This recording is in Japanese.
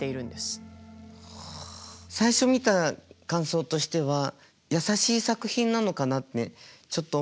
最初見た感想としては優しい作品なのかなってちょっと思ったんですよね。